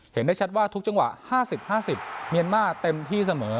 เห็นได้ชัดว่าทุกจังหวะ๕๐๕๐เมียนมาร์เต็มที่เสมอ